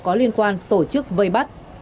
có liên quan tổ chức vây bắt